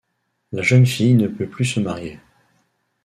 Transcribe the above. La jeune fille ne peut plus se marier.